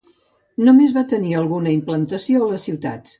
Només va tenir alguna implantació a les ciutats.